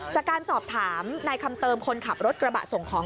จากการสอบถามนายคำเติมคนขับรถกระบะส่งของ